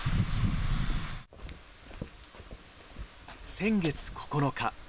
先月９日。